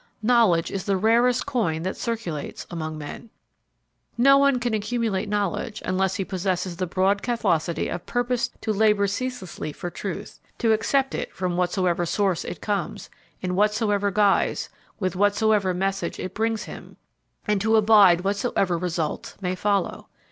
Knowledge is the rarest coin that circulates among men. No one can accumulate knowledge unless he possesses the broad catholicity of purpose to labor ceaselessly for truth, to accept it from whatsoever source it comes, in whatsoever guise, with whatsoever message it brings him, and to abide whatsoever results may follow.